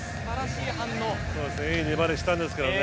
いい粘りしたんですけどね。